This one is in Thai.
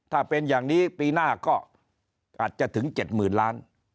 ถ้าเป็นอย่างนี้ปีหน้าก็อาจจะถึง๗๐๐๐ล้าน